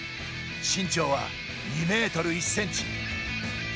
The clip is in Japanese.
身長は２ｍ１ｃｍ。